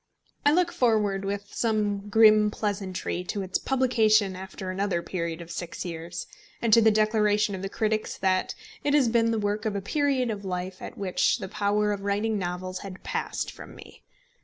I look forward with some grim pleasantry to its publication after another period of six years, and to the declaration of the critics that it has been the work of a period of life at which the power of writing novels had passed from me.